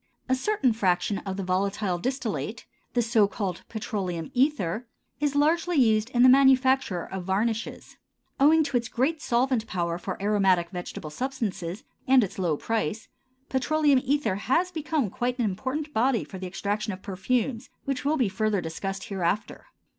A certain fraction of the volatile distillate, the so called petroleum ether, is largely used in the manufacture of varnishes. Owing to its great solvent power for aromatic vegetable substances and its low price, petroleum ether has become quite an important body for the extraction of perfumes, which will be further discussed hereafter.